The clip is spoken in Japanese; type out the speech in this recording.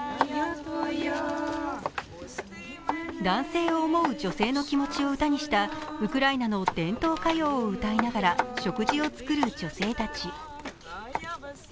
男性を思う女性の気持ちを歌にしたウクライナの伝統歌謡を歌いながら食事を作る女性たち。